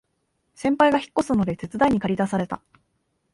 先輩が引っ越すので手伝いにかり出された